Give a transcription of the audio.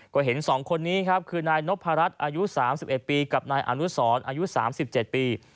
ก็เห็น๒คนนี้ครับคือนายนพรัชอายุ๓๑ปีกับนายอนุสรอายุ๓๗ปี